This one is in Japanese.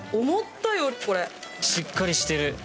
思ったよりしっかりしてる。